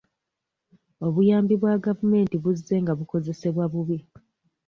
Obuyambi bwa gavumenti buzze nga bukozesebwa bubi.